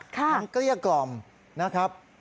เกลี้ยกล่อมนะครับ